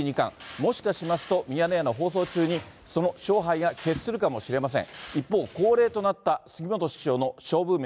もしかしますと、ミヤネ屋の放送中にその勝敗が決するかもしれません。